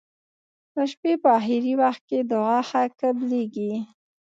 د شپي په اخرې وخت کې دعا ښه قبلیږی.